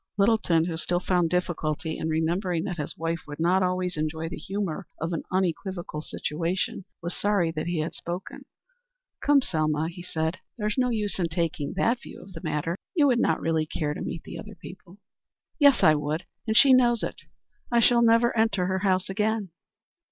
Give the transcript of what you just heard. Littleton, who still found difficulty in remembering that his wife would not always enjoy the humor of an equivocal situation, was sorry that he had spoken. "Come, Selma," he said, "there's no use in taking that view of the matter. You would not really care to meet the other people." "Yes, I would, and she knows it. I shall never enter her house again."